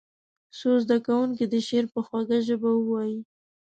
څو زده کوونکي دې شعر په خوږه ژبه ووایي.